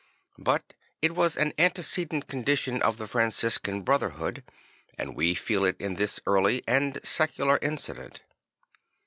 But it was an antecedent condition of the Franciscan brotherhood; and we feel it in this early and secular incident.